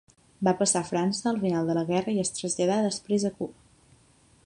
Va passar a França al final de la guerra i es traslladà després a Cuba.